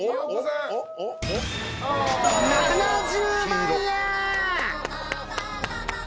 ７０万円。